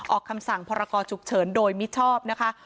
คำสั่งพรกรฉุกเฉินโดยมิชอบนะคะ